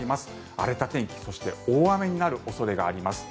荒れた天気そして大雨になる恐れがあります。